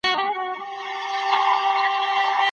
هو، خلفای راشدینو د ټولو خلکو انساني کرامت ته درناوی درلود.